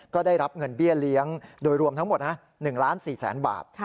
ก็ได้รับเงินเบี้ยเลี้ยงโดยรวมทั้งหมด๑ล้าน๔แสนบาท